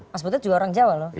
mas buto juga orang jawa loh